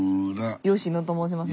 佳乃と申します。